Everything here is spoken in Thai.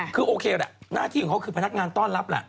คือโอเคแหละหน้าที่ของเขาคือพนักงานต้อนรับแหละ